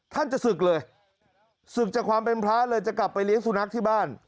ท่านจะศึกเลยศึกจากความเป็นพระเลยจะกลับไปเลี้ยงสุนัขที่บ้าน